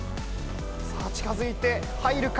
近づいて、入るか？